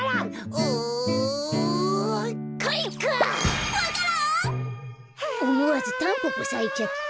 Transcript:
おもわずタンポポさいちゃった。